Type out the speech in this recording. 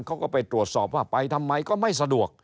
เขาก็ไปตรวจสอบว่าไปทำไมก็ไม่สะดวก